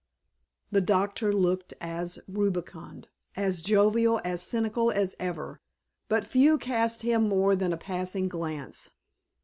The doctor looked as rubicund, as jovial, as cynical as ever. But few cast him more than a passing glance.